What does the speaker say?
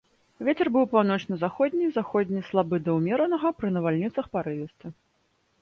Вецер будзе паўночна-заходні, заходні слабы да ўмеранага, пры навальніцах парывісты.